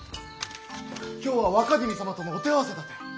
今日は若君様とのお手合わせだて！